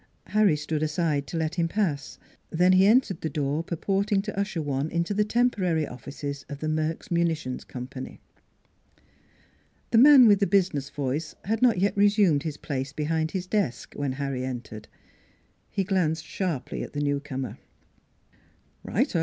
Harry stood aside to let him pass; then he entered the door purporting to usher one into the temporary offices of the Merks Munitions Company. The man with the business voice had not yet resumed his place behind his desk when Harry entered. He glanced sharply at the newcomer. " Right o